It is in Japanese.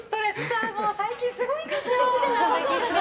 最近すごいんですよ！